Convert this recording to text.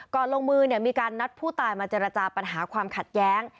ลงมือมีการนัดผู้ตายมาเจรจาปัญหาความขัดแย้ง